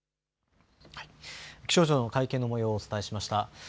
気象庁の会見のもようをお伝えしました。